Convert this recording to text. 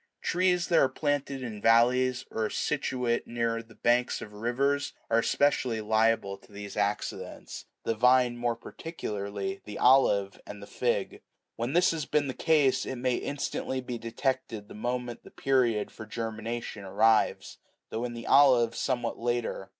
Trees that are planted in valleys, and are situate near the banks of rivers, are especially liable to these accidents, the vine more particularly, the olive, and the fig. "When this has been the case, it may instantly be detected the moment the period for germination arrives, though, in the olive, somewhat later.